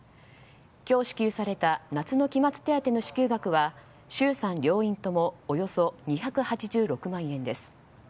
今日、支給された夏の期末手当の支給額は衆参両院ともおよそ２８６万円です。